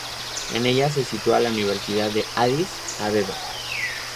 En ella se sitúa la Universidad de Adís Abeba.